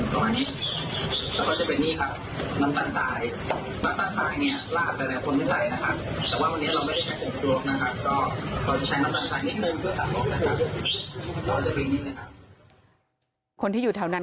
ช่องบ้านต้องช่วยแจ้งเจ้าหน้าที่เพราะว่าโดนรุมจนโอ้โหโดนฟันแผลเวิกวะค่ะ